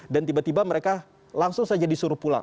dan tiba tiba mereka langsung saja disuruh pulang